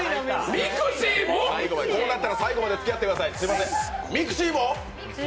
こうなったら最後まで付き合ってください、ミクシィも？